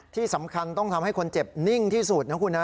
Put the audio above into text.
ที่สำคัญต้องทำให้คนเจ็บนิ่งที่สุดนะคุณนะ